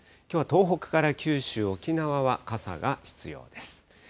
きょうは東北から九州、沖縄は傘が必要です。